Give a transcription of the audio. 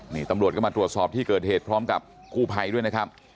นี่ตำรวจก็มาตรวจสอบที่เกิดเหตุพร้อมกับกู้ภัยด้วยนะครับ